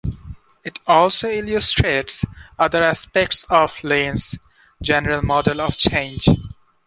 It also illustrates other aspects of Lewin's general model of change.